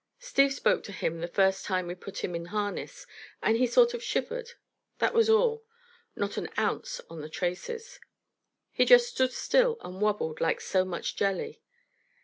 Steve spoke to him the first time we put him in harness, and he sort of shivered, that was all. Not an ounce on the traces. He just stood still and wobbled, like so much jelly.